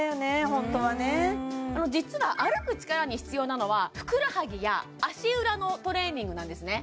ホントはね実は歩く力に必要なのはふくらはぎや足裏のトレーニングなんですね